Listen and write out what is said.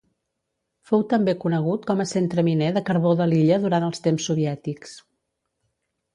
Fou també conegut com a centre miner de carbó de l'illa durant els temps soviètics.